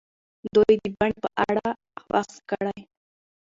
دوی د بڼې په اړه بحث کړی.